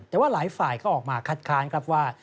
แต่ว่าหลายฝ่ายก็ออกมาคัดค้านครับว่า